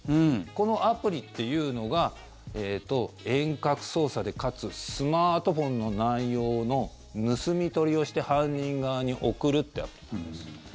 このアプリというのが遠隔操作でかつスマートフォンの内容の盗み取りをして犯人側に送るというアプリなんです。